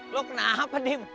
lo kenapa dim